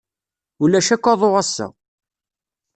Ulac akk aḍu ass-a.